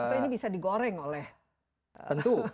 atau ini bisa digoreng oleh pasar itu sendiri